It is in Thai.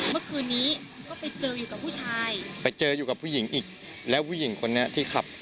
เมื่อคืนนี้ก็ไปเจออยู่กับผู้ชายไปเจออยู่กับผู้หญิงอีกแล้วผู้หญิงคนนี้ที่ขับ